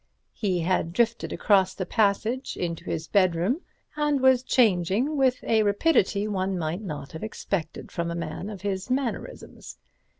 He had drifted across the passage into his bedroom, and was changing with a rapidity one might not have expected from a man of his mannerisms.